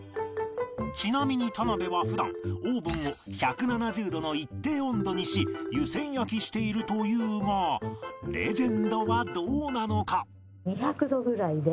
ちなみに田辺は普段オーブンを１７０度の一定温度にし湯せん焼きしているというがレジェンドはどうなのか？